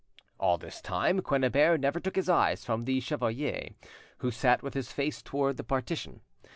All this time Quennebert never took his eyes from the chevalier, who sat with his face towards the partition.